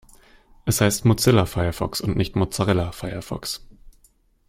Es heißt Mozilla Firefox und nicht Mozzarella Firefox.